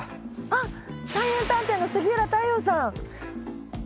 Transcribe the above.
あっ菜園探偵の杉浦太陽さん！